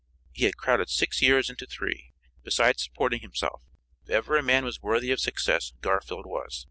He had crowded six years into three, beside supporting himself. If ever a man was worthy of success Garfield was.